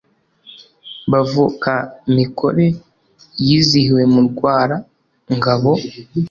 Bavuka-mikore yizihiwe mu Rwara-ngabo.